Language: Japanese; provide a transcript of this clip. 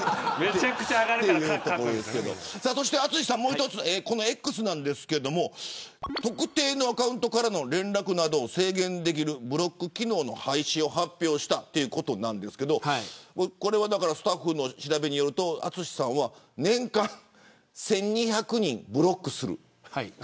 もう一つ、このＸですが特定のアカウントからの連絡などを制限できるブロック機能の廃止を発表したということですがスタッフの調べによると淳さんは年間１２００人ブロックする。